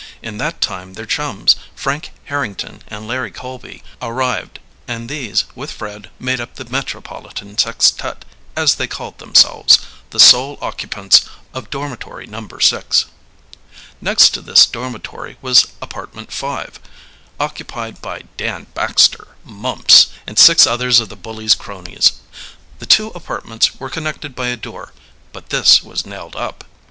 In that time their chums, Frank Harrington and Larry Colby, arrived, and these, with Fred, made up the "Metropolitan Sextet," as they called themselves the sole occupants of dormitory No. 6. Next to this dormitory was apartment five, occupied by Dan Baxter, Mumps, and six others of the bully's cronies. The two apartments were connected by a door, but this was nailed up.